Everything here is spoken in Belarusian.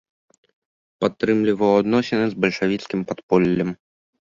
Падтрымліваў адносіны з бальшавіцкім падполлем.